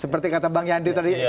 seperti kata bang yandri tadi